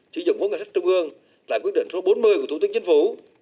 sử dụng vốn ngân sách trung ương tại quyết định số bốn mươi của thủ tướng chính phủ